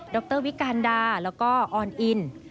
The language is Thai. รวิการดาแล้วก็ออนอิน